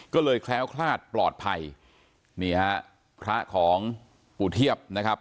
ก็เลยแคล้วคลาดปลอดภัยนี่ฮะพระของปู่เทียบนะครับ